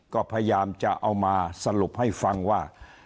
ก็พยายามจะเอามาสรุปให้ฟังว่า